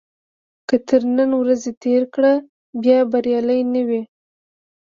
که تر نن ورځې تېره کړه بیا بریالی نه وي.